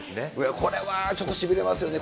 これはちょっとしびれますよね。